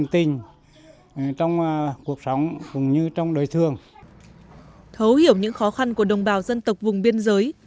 thấu hiểu những khó khăn của đồng bào dân tộc vùng biên giới